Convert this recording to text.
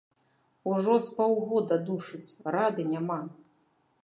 Ужо з паўгода душыць, рады няма.